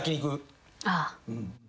ああ。